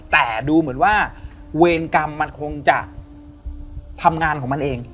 แต่ดูเหมือนว่าเวรกรรมมันคงจะทำงานของมันเอง